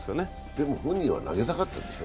でも、本人は投げたかったでしょう？